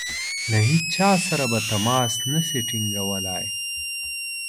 له هیچا سره به تماس نه شي ټینګولای.